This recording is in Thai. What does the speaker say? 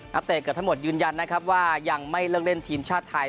เตะเกือบทั้งหมดยืนยันนะครับว่ายังไม่เลิกเล่นทีมชาติไทย